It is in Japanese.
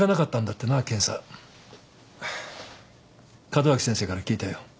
門脇先生から聞いたよ。